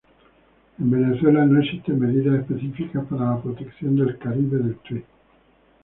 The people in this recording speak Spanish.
En Venezuela, no existen medidas específicas para la protección del Caribe del Tuy.